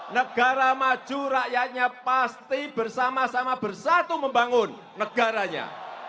negara maju rakyatnya pasti bersama sama bersatu membangun negaranya